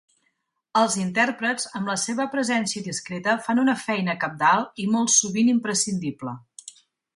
Els intèrprets, amb la seva presència discreta, fan una feina cabdal i molt sovint imprescindible.